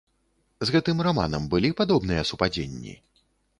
З гэтым раманам былі падобныя супадзенні?